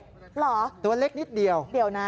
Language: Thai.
ก็เล็กนิดเดียว